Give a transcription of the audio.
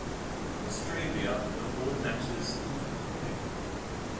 Australia won all matches comfortably.